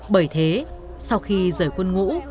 bởi thế sau khi rời quân ngũ